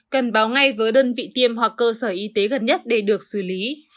cần báo ngay với đơn vị tiêm hoặc cơ sở y tế gần nhất để được xử lý